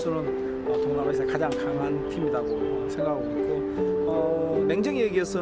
sejujurnya tim nas indonesia adalah tim yang lebih kuat dari kita